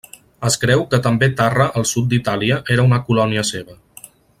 Es creu que també Tarra al sud d'Itàlia era una colònia seva.